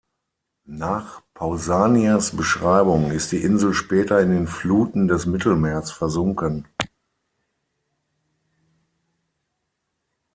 Nach Pausanias’ Beschreibung ist die Insel später in den Fluten des Mittelmeers versunken.